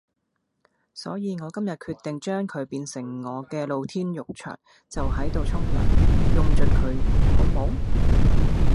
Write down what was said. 所以我今日決定將佢變成我嘅露天浴場，就喺度沖涼，用到佢盡好冇啊？